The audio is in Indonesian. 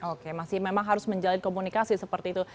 oke masih memang harus menjalin komunikasi seperti itu